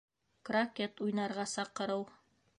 Крокет уйнарға саҡырыу.